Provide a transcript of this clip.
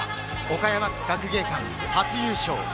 岡山学芸館、初優勝。